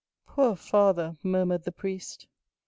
'" "Poor father!" murmured the priest.